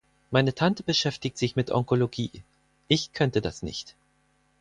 Meine Tante beschäftigt sich mit Onkologie. Ich könnte das nicht.